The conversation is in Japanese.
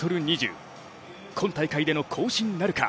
今大会での更新なるか。